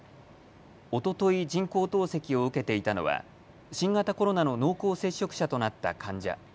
おととい人工透析を受けていたののは新型コロナの濃厚接触者となった患者。